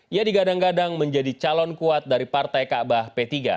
ia digadang gadang menjadi calon kuat dari partai kaabah p tiga